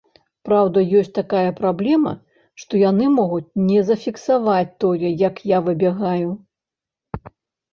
Праўда, ёсць такая праблема, што яны могуць не зафіксаваць тое, як я выбягаю.